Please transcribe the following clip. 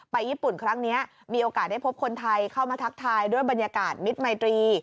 ญี่ปุ่นครั้งนี้มีโอกาสได้พบคนไทยเข้ามาทักทายด้วยบรรยากาศมิตรมัยตรี